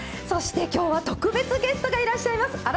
そして、きょうは特別ゲストがいらっしゃいます。